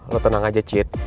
lo tenang aja cid